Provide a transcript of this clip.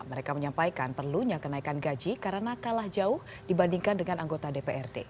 mereka menyampaikan perlunya kenaikan gaji karena kalah jauh dibandingkan dengan anggota dprd